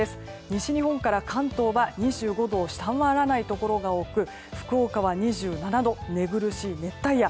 西日本から関東は２５度を下回らないところが多く福岡は２７度、寝苦しい熱帯夜。